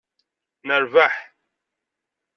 Nerbaḥ!